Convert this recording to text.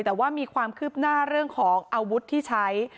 แต่ว่ามีความคืบหน้าเรื่องของอาวุธที่ใช้